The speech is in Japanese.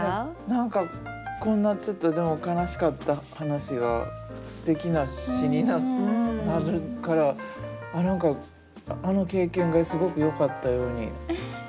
何かこんなちょっと悲しかった話がすてきな詩になるから何かあの経験がすごくよかったように。